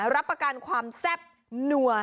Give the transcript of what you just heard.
รับประกันความแซ่บนัว